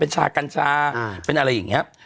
เป็นชากัญชาเป็นอะไรอย่างนี้